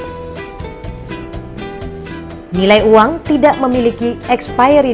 dan juga untuk pembayaran transaksi keuangan yang bernilai retail dan berpengaruhan keuangan